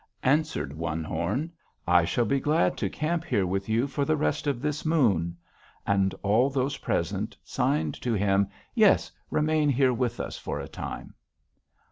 "Answered One Horn: 'I shall be glad to camp here with you for the rest of this moon.' And all those present signed to him: 'Yes. Remain here with us for a time.'